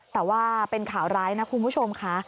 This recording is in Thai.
แต่ว่าเป็นข่าวร้ายนะคุณผู้ชมค่ะ